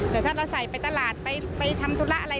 แต่ถ้าเราใส่ไปตลาดไปทำธุระอะไร